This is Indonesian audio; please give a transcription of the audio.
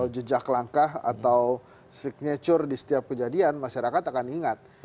jejak langkah atau signature di setiap kejadian masyarakat akan ingat